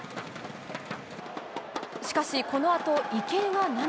しかし、このあと池江が涙。